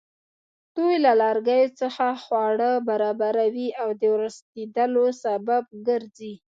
دوی له لرګیو څخه خواړه برابروي او د ورستېدلو سبب ګرځي.